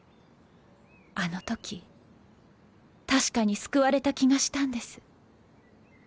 あのとき確かに救われた気がしたんです